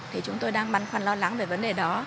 thì chúng tôi đang băn khoăn lo lắng về vấn đề đó